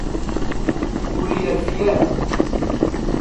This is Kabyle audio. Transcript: Ur yerfi ara.